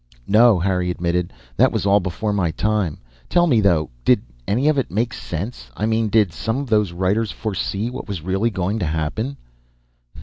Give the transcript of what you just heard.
"No," Harry admitted. "That was all before my time. Tell me, though did any of it make sense? I mean, did some of those writers foresee what was really going to happen?"